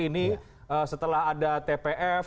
ini setelah ada tpf